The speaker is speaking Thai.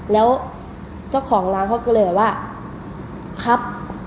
แล้วเจ้าของร้านเขาก็เลยแบบว่าครับ